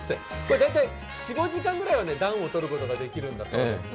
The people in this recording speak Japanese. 大体４５時間ぐらいは暖を取ることができるんだそうです。